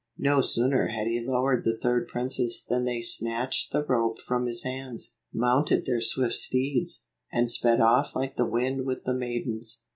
No sooner had he lowered the third princess than they snatched the rope from his hands, mounted their swift steeds, and sped off like the wind with the maidens.